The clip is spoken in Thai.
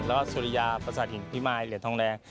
แล้วสุริยาประสาทหญิงพี่มายเหลือทองแดง